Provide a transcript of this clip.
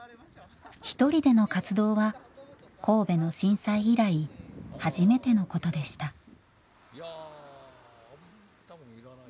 一人での活動は神戸の震災以来初めてのことでした。